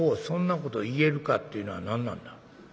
そんなこと言えるか』っていうのは何なんだ？」。